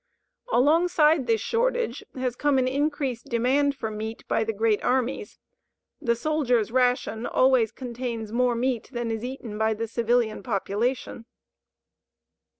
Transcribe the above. Alongside this shortage has come an increased demand for meat for the great armies. The soldier's ration always contains more meat than is eaten by the civilian population.